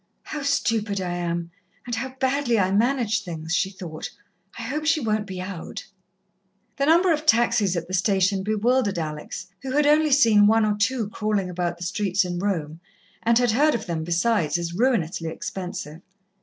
"How stupid I am, and how badly I manage things," she thought. "I hope she won't be out." The number of taxis at the station bewildered Alex, who had only seen one or two crawling about the streets in Rome, and had heard of them, besides, as ruinously expensive.